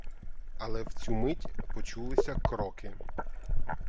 Але в цю мить почулися кроки.